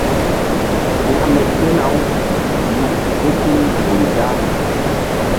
Hȩkme sena-u lu ké tul nzukri da.